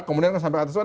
kemudian sampai atas